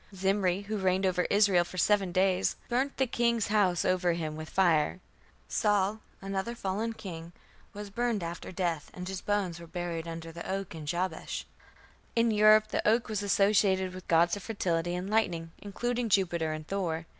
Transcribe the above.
Zimri, who reigned over Israel for seven days, "burnt the king's house over him with fire". Saul, another fallen king, was burned after death, and his bones were buried "under the oak in Jabesh". In Europe the oak was associated with gods of fertility and lightning, including Jupiter and Thor.